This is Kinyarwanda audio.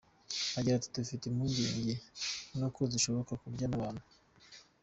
Agira ati”Dufite impungenge nuko zishobora kurya n’abantu.